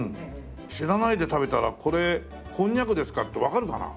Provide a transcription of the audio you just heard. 知らないで食べたらこれこんにゃくですかってわかるかな？